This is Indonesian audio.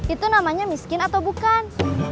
itu namanya miskin atau bukan